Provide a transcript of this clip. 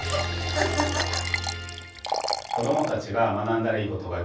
ウフフフッ！